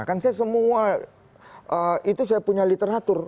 kan saya semua itu saya punya literatur